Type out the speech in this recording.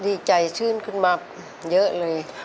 ดีใจชื่นขึ้นมาเยอะเลย